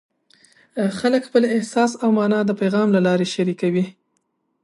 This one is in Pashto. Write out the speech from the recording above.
خلک خپل احساس او مانا د پیغام له لارې شریکوي.